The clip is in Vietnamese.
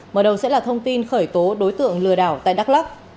mở đầu sẽ là thông tin khởi tố đối tượng lừa đảo tại đắk lắc